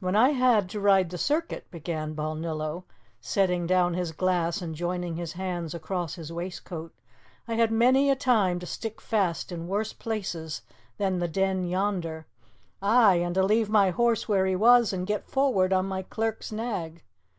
"When I had to ride the circuit," began Balnillo, setting down his glass and joining his hands across his waistcoat, "I had many a time to stick fast in worse places than the Den yonder ay, and to leave my horse where he was and get forward on my clerk's nag.